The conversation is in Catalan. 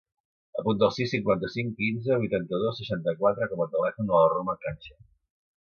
Apunta el sis, cinquanta-cinc, quinze, vuitanta-dos, seixanta-quatre com a telèfon de la Roma Cancio.